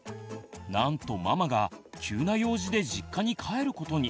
なんとママが急な用事で実家に帰ることに。